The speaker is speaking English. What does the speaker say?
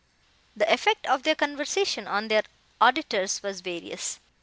The effect of their conversation on their auditors was various.